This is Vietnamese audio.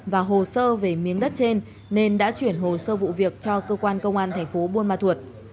và hồ sơ về miếng đất trên nên đã chuyển hồ sơ vụ việc cho cơ quan công an tp bung ma thuật